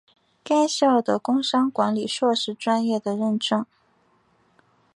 该校的工商管理硕士专业的认证。